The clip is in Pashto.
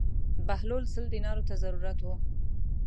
بهلول سل دینارو ته ضرورت و.